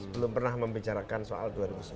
belum pernah membicarakan soal dua ribu sembilan belas